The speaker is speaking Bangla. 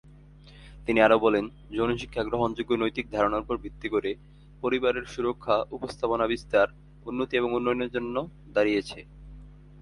তিনি আরও বলেন, যৌন শিক্ষা গ্রহণযোগ্য নৈতিক ধারণার উপর ভিত্তি করে পরিবারের সুরক্ষা, উপস্থাপনা বিস্তার, উন্নতি এবং উন্নয়নের জন্য দাঁড়িয়েছে।